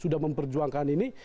sudah memperjuangkan ini